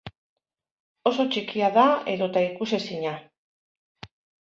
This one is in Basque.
Oso txikia da edota ikusezina.